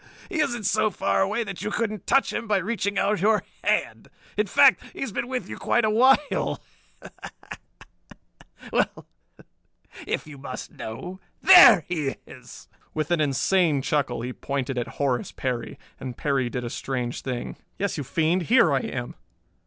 He isn't so far away that you couldn't touch him by reaching out your hand. In fact, he's been with you quite a while. Hee hee hee! Well, if you must know there he is!" With an insane chuckle he pointed at Horace Perry. And Perry did a strange thing. "Yes, you fiend, here I am!"